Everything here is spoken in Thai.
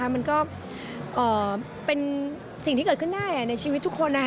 มันก็เป็นสิ่งที่เกิดขึ้นได้ในชีวิตทุกคน